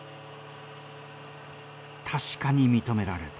確かに認められた。